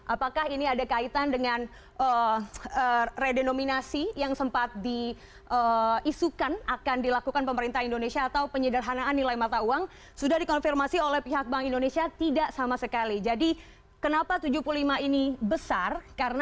apakah ini ada kaitan dengan redenominasi yang sempat diisukan